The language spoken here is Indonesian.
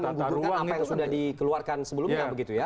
itu akan menggugurkan apa yang sudah dikeluarkan sebelumnya begitu ya